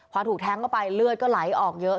พอถูกแทงเข้าไปเลือดก็ไหลออกเยอะ